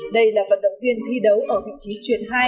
đây là vận động viên thi đấu ở vị trí truyền hai